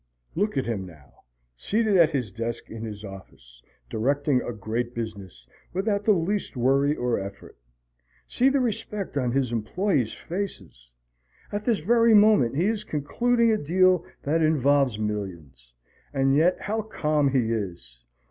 Look at him now, seated at his desk in his office, directing a great business, without the least worry or effort. See the respect on his employes' faces! At this very moment he is concluding a deal that involves millions. And yet how calm he is!